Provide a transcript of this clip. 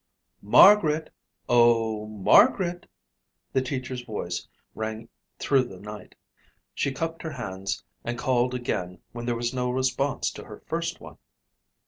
"Margaret, oh, Margaret!" The teacher's voice rang through the night. She cupped her hands and called again when there was no response to her first one.